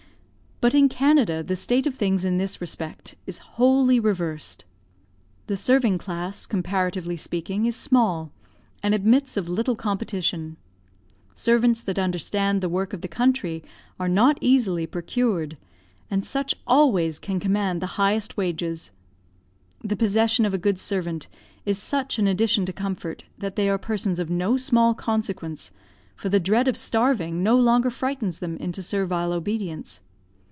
But in Canada the state of things in this respect is wholly reversed. The serving class, comparatively speaking, is small, and admits of little competition. Servants that understand the work of the country are not easily procured, and such always can command the highest wages. The possession of a good servant is such an addition to comfort, that they are persons of no small consequence, for the dread of starving no longer frightens them into servile obedience.